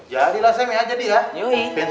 jadilah sam ya jadi lah